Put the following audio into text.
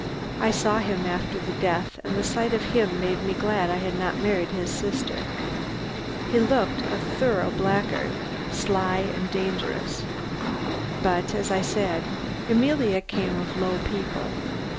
I saw him after the death, and the sight of him made me glad I had not married his sister. He looked a thorough blackguard, sly and dangerous. But, as I said, Emilia came of low people.